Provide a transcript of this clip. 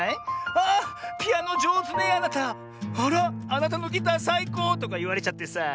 「あピアノじょうずねあなた」「あらあなたのギターさいこう」とかいわれちゃってさ。